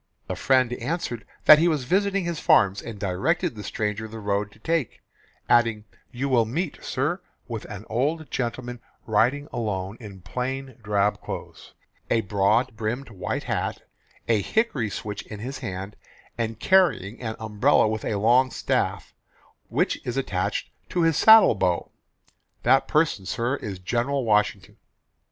The friend answered that he was visiting his farms, and directed the stranger the road to take, adding, "You will meet, sir, with an old gentleman riding alone in plain drab clothes, a broad brimmed white hat, a hickory switch in his hand, and carrying an umbrella with a long staff, which is attached to his saddle bow that person, sir, is General Washington."